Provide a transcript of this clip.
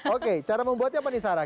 oke cara membuatnya apa nih sarah